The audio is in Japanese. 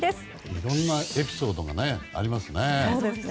いろんなエピソードがありますね。